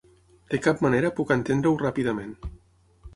De cap manera puc entendre-ho ràpidament.